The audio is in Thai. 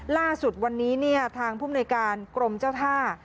ล่าสุดวันนี้เนี่ยทางภูมิหน่วยการกรมเจ้าท่า